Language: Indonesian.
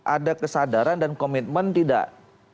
ada kesadaran dan komitmen tidak